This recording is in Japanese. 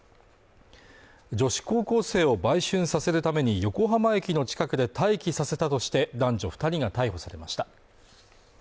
女子高校生を売春させるために横浜駅の近くで待機させたとして男女二人が逮捕されました